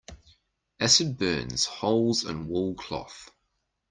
Acid burns holes in wool cloth.